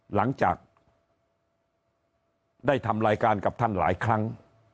หลังจากได้ทำรายการกับท่านหลายครั้ง